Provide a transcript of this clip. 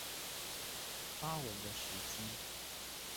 發文的時機